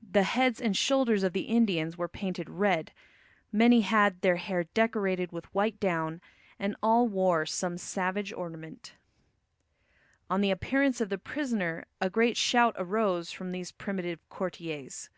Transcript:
The heads and shoulders of the Indians were painted red, many had their hair decorated with white down, and all wore some savage ornament. On the appearance of the prisoner a great shout arose from these primitive courtiers.